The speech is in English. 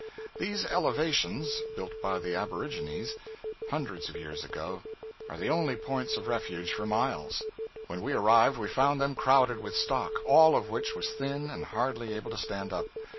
These elevations, built by the aborigines, hundreds of years ago, are the only points of refuge for miles. When we arrived we found them crowded with stock, all of which was thin and hardly able to stand up.